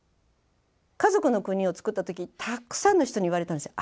「かぞくのくに」を作った時たくさんの人に言われたんですよ。